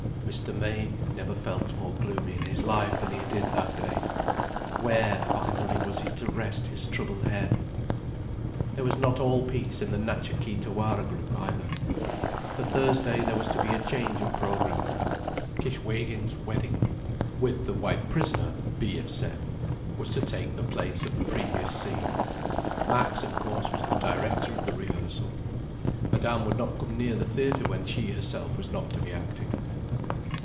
Mr. May never felt more gloomy in his life than he did that day. Where, finally, was he to rest his troubled head? There was not all peace in the Natcha Kee Tawara group either. For Thursday, there was to be a change of program—"Kishwégin's Wedding—" (with the white prisoner, be if said)—was to take the place of the previous scene. Max of course was the director of the rehearsal. Madame would not come near the theatre when she herself was not to be acting.